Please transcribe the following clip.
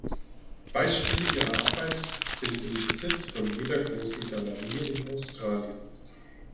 Beispiele ihrer Arbeit sind im Besitz von jeder großen Galerie in Australien.